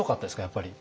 やっぱり。